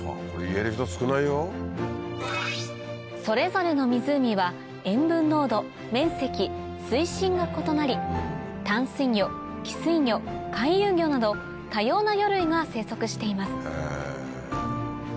それぞれの湖は塩分濃度面積水深が異なり淡水魚汽水魚回遊魚など多様な魚類が生息しています